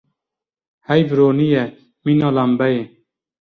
Heyv ronî ye mîna lembeyê.